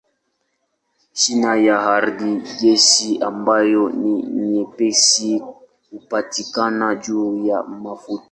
Chini ya ardhi gesi ambayo ni nyepesi hupatikana juu ya mafuta.